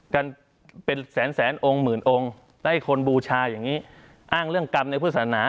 กันเป็นแสนแสนองค์หมื่นองค์ได้คนบูชาอย่างนี้อ้างเรื่องกรรมในพฤษณา